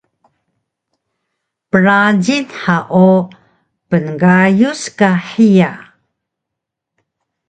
Prajing han o pngayus ka hiya